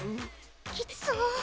きつそう。